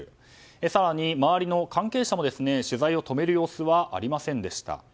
更に周りの関係者も取材を止める様子はありませんでした。